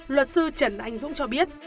luật sư trần anh dũng cho biết